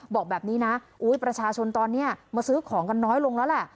บอกแบบนี้นะประชาชนตอนนี้มาซื้อของกันน้อยลงแล้วแหละ